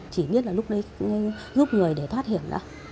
chỉ biết là lúc đấy giúp người để thoát hiểm